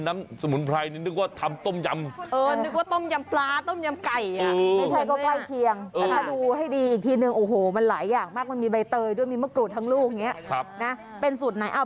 มะกรูดทั้งลูกเนี้ยครับนะเป็นสูตรไหนอ่า